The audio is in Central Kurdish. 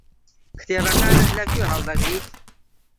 کتێبەکانت لەکوێ هەڵدەگریت؟